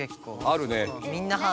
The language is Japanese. あるね！